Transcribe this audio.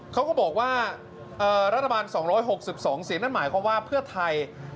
เขาก็บอกว่ารัฐบาล๒๖๒เสียงนั่นหมายความว่าเพื่อไทย